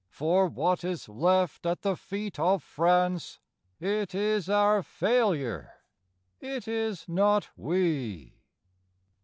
For what is left at the feet of France It is our failure, it is not we.